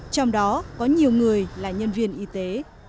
trong đó có nhiều người là nhân viên y tế